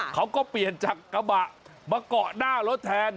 เขาก็เปลี่ยนจากกระบะมาเกาะหน้ารถแทน